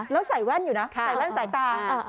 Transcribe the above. แล้วใส่แว่นอยู่นะใส่แว่นสายตา